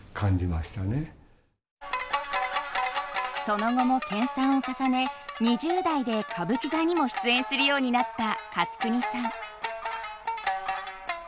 その後も研鑽を重ね２０代で歌舞伎座にも出演するようになった勝国さん。